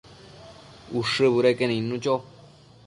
Ushë budeque nidnu cho